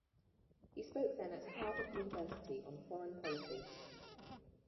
He spoke then at Harvard University on foreign policy.